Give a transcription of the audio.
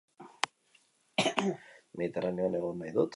Mediterraneoan egon nahi dut, eta kito.